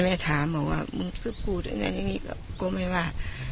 แม่ถามว่ามันพูดอย่างงี้ก็ไม่ว่า